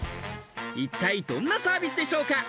一体どんなサービスでしょうか。